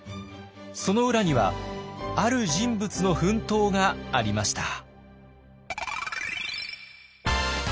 その裏にはある人物の奮闘がありました。